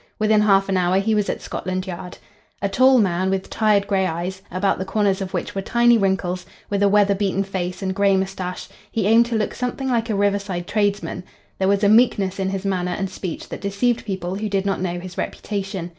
Within half an hour he was at Scotland Yard. A tall man with tired grey eyes, about the corners of which were tiny wrinkles, with a weather beaten face and grey moustache, he aimed to look something like a riverside tradesman. There was a meekness in his manner and speech that deceived people who did not know his reputation.